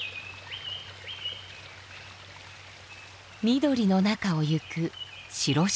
緑の中を行く白装束。